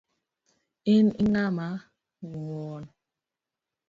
In ing'ama ngwon.